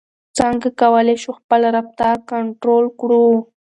څنګه کولای شو خپل رفتار کنټرول کړو؟